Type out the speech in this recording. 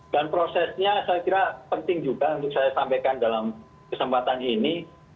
prosesnya saya kira penting juga untuk saya sampaikan dalam kesempatan ini